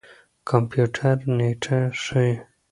کمپيوټر نېټه ښيي.